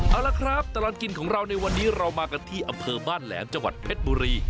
เอาละครับตลอดกินของเราในวันนี้เรามากันที่อำเภอบ้านแหลมจังหวัดเพชรบุรี